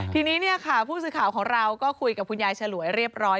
ทีนี้เนี่ยค่ะผู้สื่อข่าวของเราก็คุยกับคุณยายฉลวยเรียบร้อย